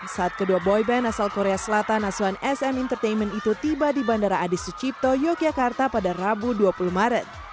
saat kedua boyband asal korea selatan asuhan sm entertainment itu tiba di bandara adi sucipto yogyakarta pada rabu dua puluh maret